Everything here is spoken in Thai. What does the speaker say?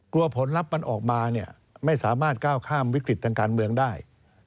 ผลลัพธ์มันออกมาเนี่ยไม่สามารถก้าวข้ามวิกฤตทางการเมืองได้